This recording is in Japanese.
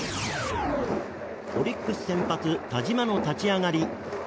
オリックス先発田嶋の立ち上がり。